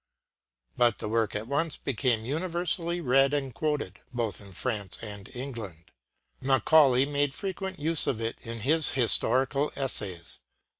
But the work at once became universally read and quoted, both in France and England. Macaulay made frequent use of it in his historical essays.